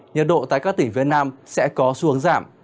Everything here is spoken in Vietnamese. nhiệt độ tại các tỉnh việt nam sẽ có xu hướng giảm